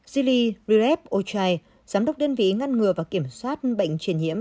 zili rirep ochai giám đốc đơn vị ngăn ngừa và kiểm soát bệnh truyền nhiễm